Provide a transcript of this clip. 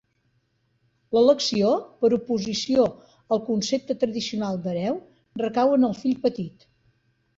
L'elecció, per oposició al concepte tradicional d'hereu, recau en el fill petit.